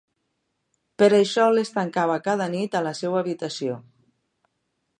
Per això les tancava cada nit a la seva habitació.